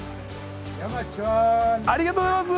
ありがとうございます！